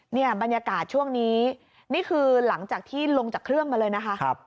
เนี่ยบรรยากาศช่วงนี้นี่คือหลังจากที่ลงจากเครื่องมาเลยนะคะ